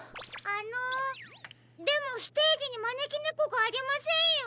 あのでもステージにまねきねこがありませんよ。